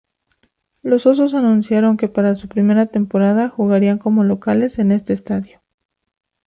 Los Osos anunciaron que para su primera temporada jugarían como locales en este estadio.